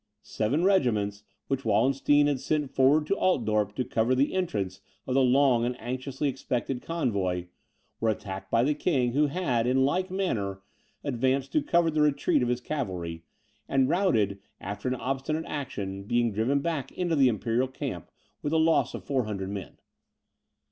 Seven regiments, which Wallenstein had sent forward to Altdorp to cover the entrance of the long and anxiously expected convoy, were attacked by the King, who had, in like manner, advanced to cover the retreat of his cavalry, and routed after an obstinate action, being driven back into the Imperial camp, with the loss of 400 men.